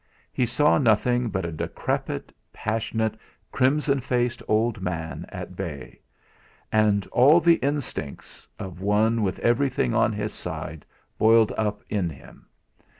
He saw nothing but a decrepit, passionate, crimson faced old man at bay, and all the instincts of one with everything on his side boiled up in him.